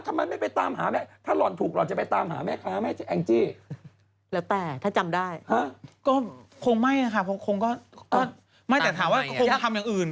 ใช่แต่ถามว่าแต่ก็ต้องจำได้นะเขาเป็นคนขายห้าอย่างนั้น